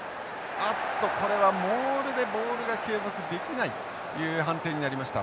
あっとこれはモールでボールが継続できないという判定になりました。